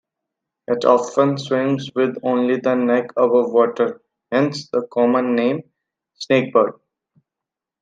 It often swims with only the neck above water, hence the common name "snakebird".